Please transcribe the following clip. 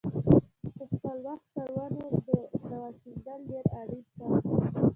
په خپل وخت پر ونو دوا شیندل ډېر اړین کار دی.